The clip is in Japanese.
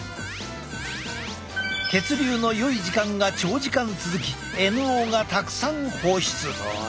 血流のよい時間が長時間続きＮＯがたくさん放出！